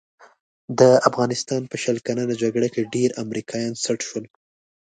د افغانستان په شل کلنه جګړه کې ډېر امریکایان سټ شول.